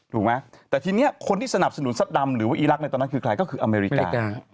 ถูกไหมแต่ทีนี้คนที่สนับสนุนซัดดำหรือว่าอีรักษ์ในตอนนั้นคือใครก็คืออเมริกา